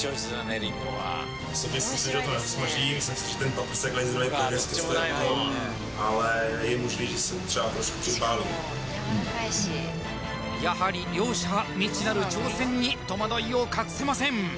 りんごはやはり両者未知なる挑戦に戸惑いを隠せません